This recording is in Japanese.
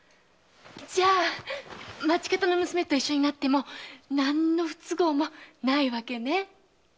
じゃあ町方の娘と一緒になっても何の不都合もないわけね！